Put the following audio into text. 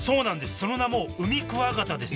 その名もウミクワガタです